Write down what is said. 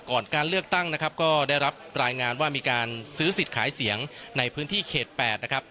การเลือกตั้งนะครับก็ได้รับรายงานว่ามีการซื้อสิทธิ์ขายเสียงในพื้นที่เขต๘นะครับ